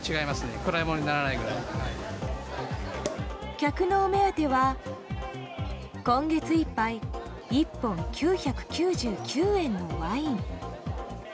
客のお目当ては今月いっぱい１本９９９円のワイン。